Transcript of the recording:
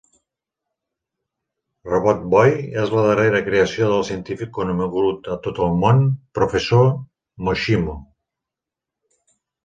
Robotboy és la darrera creació del científic conegut a tot el món, Professor Moshimo.